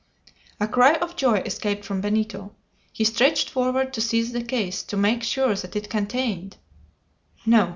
A cry of joy escaped from Benito. He stretched forward to seize the case, to make sure than it contained "No!"